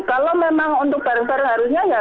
kalau memang untuk bareng bareng harusnya ya